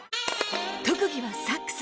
特技はサックス